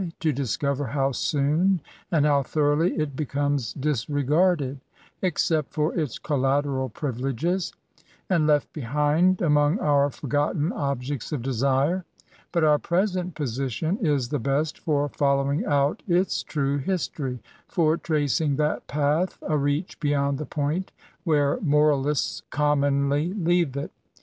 to discover how soon and how thoroughly it becomes disregarded (except for its collateral privileges), and left behind among our forgotten objects of desire : but our present position is the best for following out its true history — for tracing that path a reach beyond the point where moralists commonly leave it.